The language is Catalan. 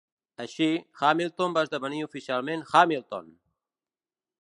Així, Hamilton va esdevenir oficialment Hamilton!